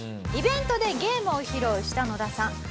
イベントでゲームを披露した野田さん。